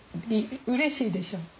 うれしいでしょ？